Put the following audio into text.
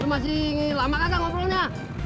masih lama kata ngobrolnya